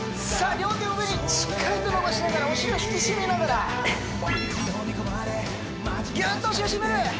両手を上にしっかりと伸ばしながらお尻を引き締めながらぎゅっとお尻を締める！